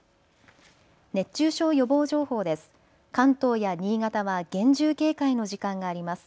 熱中症予防情報です。